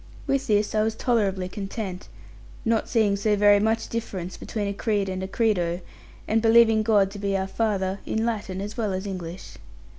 With this I was tolerably content, not seeing so very much difference between a creed and a credo, and believing God to be our Father, in Latin as well as English.